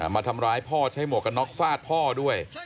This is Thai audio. มาทำร้ายพ่อใช้หมวกกันน็อกฟาดพ่อด้วย